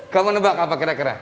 kamu nebak apa kira kira